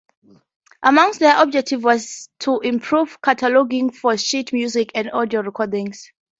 Among their objectives was to improve cataloging for sheet music and audio recordings.